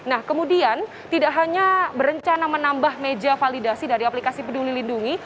nah kemudian tidak hanya berencana menambah meja validasi dari aplikasi peduli lindungi